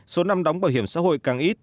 số năm đóng bảo hiểm xã hội càng ít